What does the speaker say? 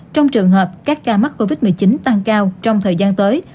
trong trường hợp các ca mắc covid một mươi chín tăng cao trong thời gian tới